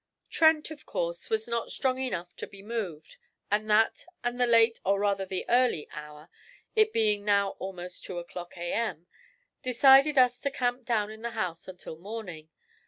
Trent, of course, was not strong enough to be moved, and that and the late, or rather the early, hour, it being now almost two o'clock a.m., decided us to camp down in the house until morning.